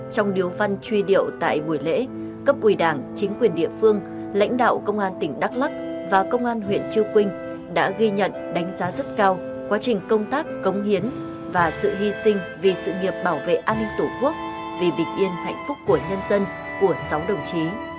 trong điếu văn truy điệu tại buổi lễ cấp ủy đảng chính quyền địa phương lãnh đạo công an tỉnh đắk lắc và công an huyện chư quynh đã ghi nhận đánh giá rất cao quá trình công tác cống hiến và sự hy sinh vì sự nghiệp bảo vệ an ninh tổ quốc vì bình yên hạnh phúc của nhân dân của sáu đồng chí